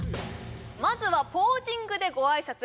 まずはポージングでごあいさつ